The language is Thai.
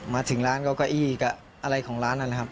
มาถึงร้านเก้าเก้าอี้กับอะไรของร้านนั่นแหละครับ